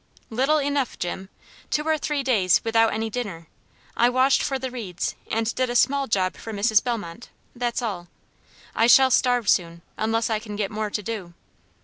"Little enough, Jim. Two or three days without any dinner. I washed for the Reeds, and did a small job for Mrs. Bellmont; that's all. I shall starve soon, unless I can get more to do.